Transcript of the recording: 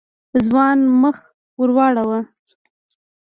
ځوان مخ ور واړاوه.